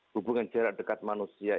hubungan jarak dekat manusia